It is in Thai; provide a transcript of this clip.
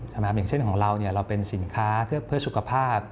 อย่างเช่นของเราเราเป็นสินค้าเพื่อสุขภาพ